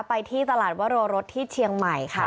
ไปที่ตลาดวโรรสที่เชียงใหม่ค่ะ